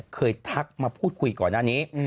ทักมาพูดคุยก่อนหน้านี้